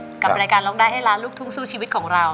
กับรายการร้องได้ให้ล้านลูกทุ่งสู้ชีวิตของเรา